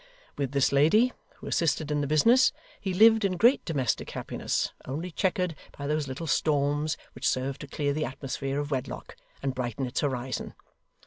With this lady (who assisted in the business) he lived in great domestic happiness, only chequered by those little storms which serve to clear the atmosphere of wedlock, and brighten its horizon.